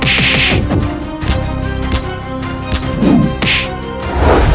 aku mau kesana